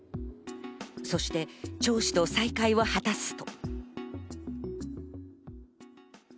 そしてチョウ氏と再会を果たすと。